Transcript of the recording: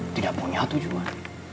tidak punya tujuan